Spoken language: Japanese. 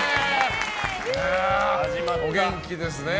お元気ですね。